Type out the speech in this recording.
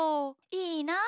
いいなあ。